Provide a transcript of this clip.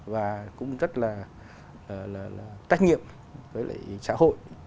và cũng rất là tách nghiệm với lại xã hội